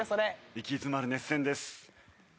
息詰まる熱戦です。